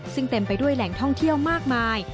ซึ่งเต็มไปด้วยแหล่งท่องเที่ยวมากมาย